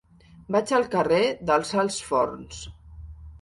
Vaig al carrer dels Alts Forns.